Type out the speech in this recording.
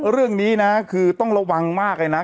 เรื่องนี้นะคือต้องระวังมากเลยนะ